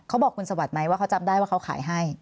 เขาบอกคุณสวัสดิ์ไหมว่าเขาจำได้ว่าเขาขายให้